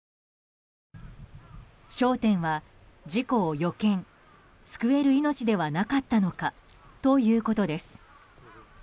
焦点は事故を予見救える命ではなかったのかということです。